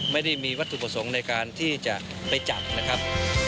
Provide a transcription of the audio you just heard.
ไม่ได้มีวัตถุประสงค์ในการที่จะไปจับนะครับ